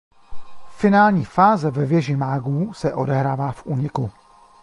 Finální fáze ve Věži mágů se odehrává v Úniku.